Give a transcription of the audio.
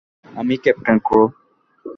আমি ক্যাপ্টেন ক্রো।